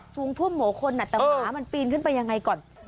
สูงทุ่มหมูคนแต่หมามันปีนขึ้นไปยังไงก่อน